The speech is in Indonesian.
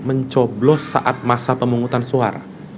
mencoblos saat masa pemungutan suara